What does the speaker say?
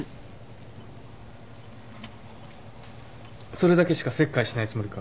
それだけしか切開しないつもりか？